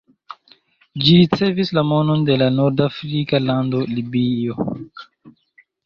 Ĝi ricevis la nomon de la nordafrika lando Libio.